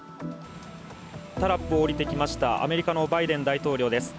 タラップをおりてきました、アメリカのバイデン大統領です。